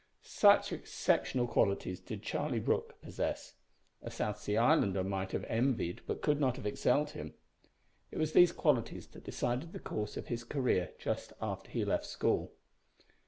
Such exceptional qualities did Charlie Brooke possess. A South Sea Islander might have envied but could not have excelled him. It was these qualities that decided the course of his career just after he left school.